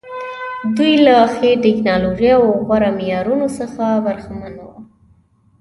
دوی له ښې ټکنالوژۍ او غوره معیارونو څخه برخمن وو.